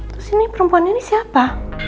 terus ini perempuan ini siapa